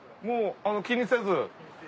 もう気にせず。